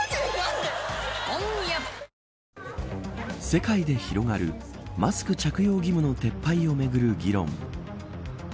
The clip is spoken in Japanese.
世界で広がるマスク着用義務の撤廃をめぐる議論。